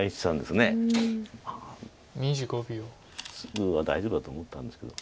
すぐは大丈夫だと思ったんですけど。